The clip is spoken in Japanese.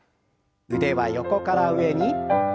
腕は横から上に。